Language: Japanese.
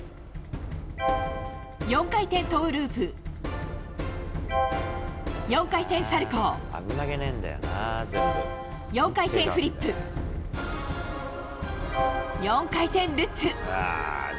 ４回転トウループ４回転サルコウ４回転フリップ４回転ルッツ。